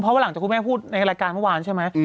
เพราะว่าหลังจากคุณแม่พูดในรายการเมื่อวานใช่ไหม